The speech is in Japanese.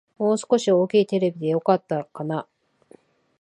もう少し大きいテレビでよかったかな